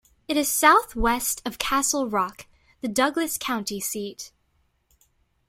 It is southwest of Castle Rock, the Douglas County seat.